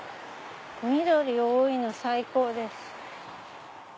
緑多いの最高です。